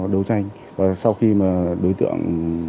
đối tranh và sau khi mà đối tượng